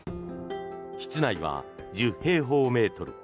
室内は１０平方メートル。